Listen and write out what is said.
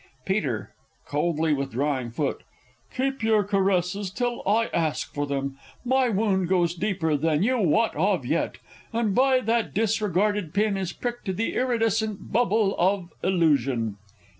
Peter (coldly withdrawing foot). Keep your caresses till I ask for them. My wound goes deeper than you wot of yet, And by that disregarded pin is pricked The iridescent bubble of Illusion!